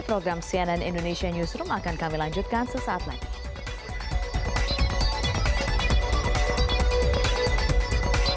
program cnn indonesia newsroom akan kami lanjutkan sesaat lagi